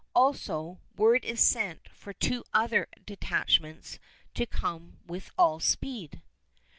Also, word is sent for two other detachments to come with all speed.